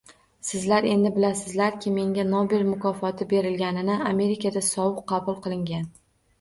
Sizlar, endi bilasizlarki, menga Nobel mukofoti berilgani Amerikada sovuq qabul qilingan